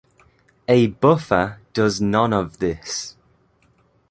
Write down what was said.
A buffer does none of this.